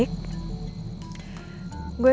gue gak mau basa basi ya sama lo